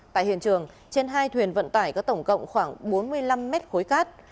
tại hiện trường trên hai thuyền vận tải có tổng cộng khoảng bốn mươi năm mét khối cát